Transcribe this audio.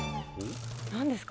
何ですか？